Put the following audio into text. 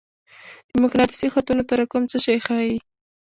د مقناطیسي خطونو تراکم څه شی ښيي؟